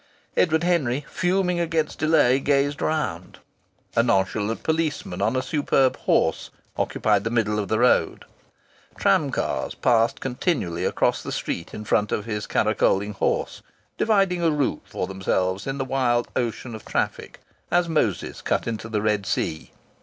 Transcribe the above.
Edward Henry, fuming against delay, gazed around. A nonchalant policeman on a superb horse occupied the middle of the road. Tram cars passed constantly across the street in front of his caracoling horse, dividing a route for themselves in the wild ocean of traffic as Moses cut into the Red Sea.